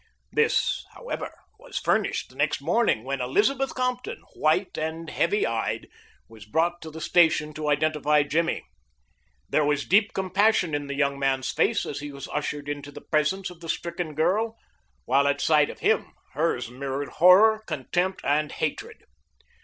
This, however, was furnished the next morning, when Elizabeth Compton, white and heavy eyed, was brought to the station to identify Jimmy. There was deep compassion in the young man's face as he was ushered into the presence of the stricken girl, while at sight of him hers mirrored horror, contempt, and hatred.